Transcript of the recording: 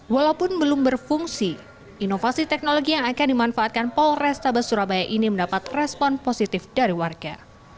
walaupun belum berfungsi inovasi teknologi yang akan dimanfaatkan polrestabes surabaya ini mendapat respon positif dari warga